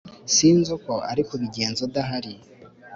sinzi uko ari kubigenza udahari